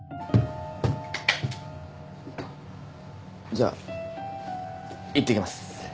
じゃいってきます。